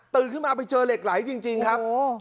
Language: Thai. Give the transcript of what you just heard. ขึ้นมาไปเจอเหล็กไหลจริงครับ